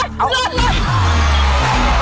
ลุดลุด